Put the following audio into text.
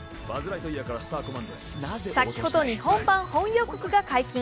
先ほど日本版本予告が解禁。